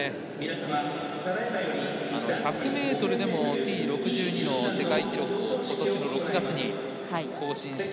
１００ｍでもＴ６２の世界記録を今年の６月に更新して。